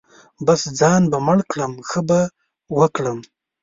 بـس ځان به مړ کړم ښه به وکړم.